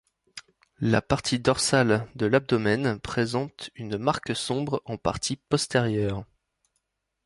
La partie dorsale de l'abdomen présente une marque sombre en partie postérieure.